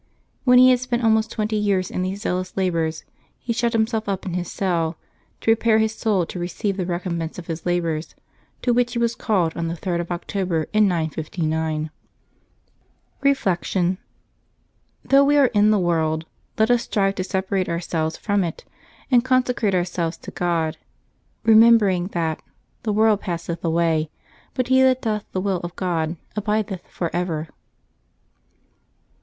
When he had spent almost twenty years in these zealous labors, he shut himself up in his cell, to prepare his soul to receire the OcTOBEE 4] LIVES OF THE SAINTS 329 recompense of his labors, to which he was called on the 3d of October in 959. Reflection. — Though we are in the world, let ns strive to separate ourselves from it and consecrate ourselves to God, remembering that "the world passeth away, but he that doth the will of God abideth forever."